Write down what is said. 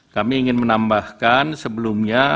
kami ingin menambahkan sebelumnya